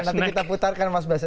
nanti kita putarkan mas basri